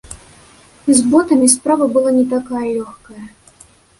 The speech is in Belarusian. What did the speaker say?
З ботамі справа была не такая лёгкая.